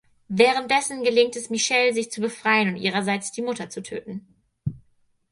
Währenddessen gelingt es Michelle sich zu befreien und ihrerseits die Mutter zu töten.